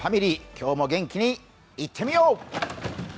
今日も元気にいってみよう！